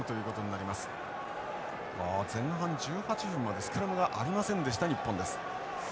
ああ前半１８分までスクラムがありませんでした日本です。